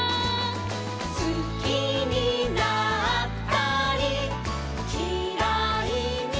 「すきになったりきらいになったり」